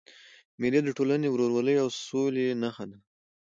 مېلې د ټولني د ورورولۍ او سولي نخښه ده.